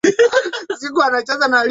Somo la sayansi.